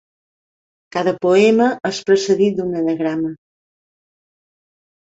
Cada poema és precedit d'un anagrama.